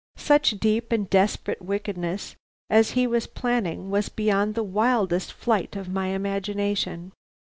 Such deep and desperate wickedness as he was planning was beyond the wildest flight of my imagination.